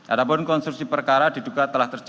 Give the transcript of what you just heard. ada pun konstruksi perkara diduga telah terjadi